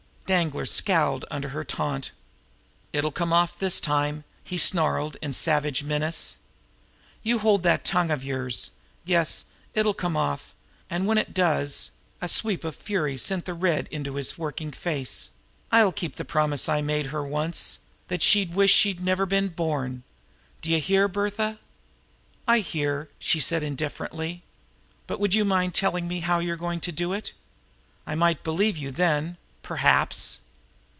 Danglar scowled at her under the taunt. "It'll come off this time!" he snarled in savage menace. "You hold that tongue of yours! Yes, it'll come off! And when it does" a sweep of fury sent the red into his working face "I'll keep the promise I made her once that she'd wish she had never been born! D'ye hear, Bertha?" "I hear," she said indifferently. "But would you mind telling me how you are going to do it? I might believe you then perhaps!"